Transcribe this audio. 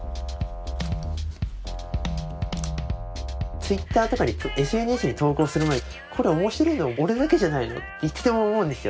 ツイッターとかにＳＮＳに投稿する前に「これ面白いの俺だけじゃないの？」っていつでも思うんですよ。